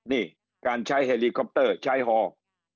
นี่การใช้เฮลิคอปเตอร์ใช้ฮอล์